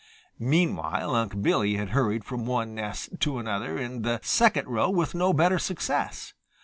Meanwhile Unc' Billy had hurried from one nest to another in the second row with no better success.